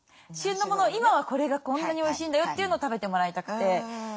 今はこれがこんなにおいしいんだよというのを食べてもらいたくて。